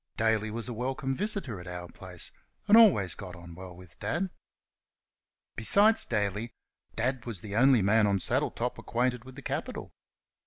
Daly was a welcome visitor at our place, and always got on well with Dad. Besides Daly, Dad was the only man on Saddletop acquainted with the capital.